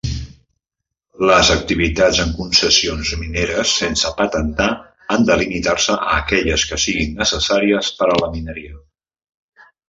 Les activitats en concessions mineres sense patentar han de limitar-se a aquelles que siguin necessàries per a la mineria.